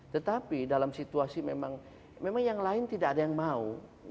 tetapi dalam situasi memang yang lain tidak ada yang mau